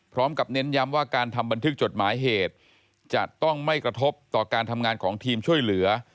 เน้นย้ำว่าการทำบันทึกจดหมายเหตุจะต้องไม่กระทบต่อการทำงานของทีมช่วยเหลือ